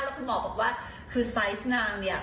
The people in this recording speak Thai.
แล้วคุณหมอบอกว่าคือไซส์นางเนี่ย